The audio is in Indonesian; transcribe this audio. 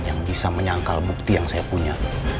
yang bisa menyangkal bukti yang saya punya